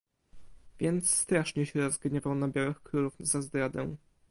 "Więc strasznie się rozgniewał na białych królów za zdradę."